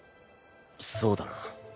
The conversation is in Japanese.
そうだな。